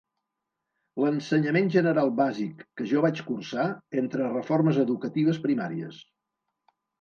L'Ensenyament General Bàsic que jo vaig cursar, entre reformes educatives primàries.